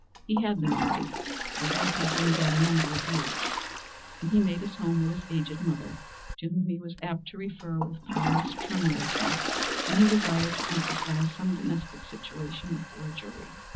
He had been married, but his wife had been dead a number of years, and he made his home with his aged mother, to whom he was apt to refer with pious tremulousness when he desired to emphasize some domestic situation before a jury.